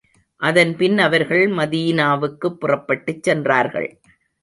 அதன் பின் அவர்கள் மதீனாவுக்குப் புறப்பட்டுச் சென்றார்கள்.